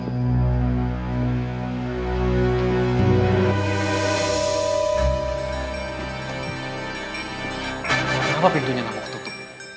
kenapa pintunya nangguk totho